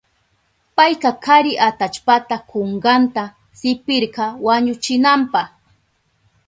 Payka kari atallpata kunkanta sipirka wañuchinanpa.